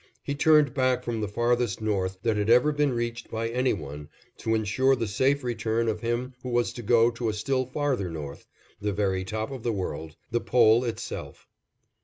He turned back from the Farthest North that had ever been reached by any one, to insure the safe return of him who was to go to a still Farther North, the very top of the world, the Pole itself.